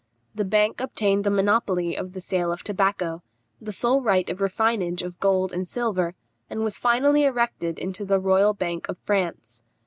The bank obtained the monopoly of the sale of tobacco, the sole right of refinage of gold and silver, and was finally erected into the Royal Bank of France.